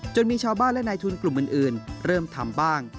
มีชาวบ้านและนายทุนกลุ่มอื่นเริ่มทำบ้าง